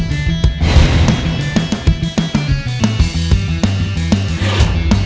berapa orang di sana